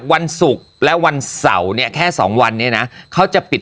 วันศุกร์และวันเสาร์เนี่ยแค่สองวันนี้นะเขาจะปิด